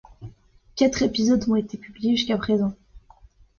Quatre épisodes ont été publiés jusqu'à présent.